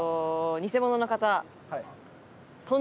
偽物の方。